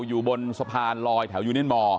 อยู่บนสะพานลอยแถวยูนินมอร์